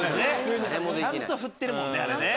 ちゃんとふってるもんね。